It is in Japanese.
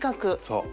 そう。